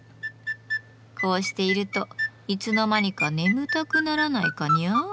こうしているといつの間にか眠たくならないかニャー？